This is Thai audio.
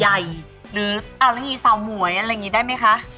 ไหนหรืออะไรอย่างงี้สาวหมวยอะไรอย่างงี้ได้ไหมคะ